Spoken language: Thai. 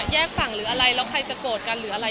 ฝั่งหรืออะไรแล้วใครจะโกรธกันหรืออะไร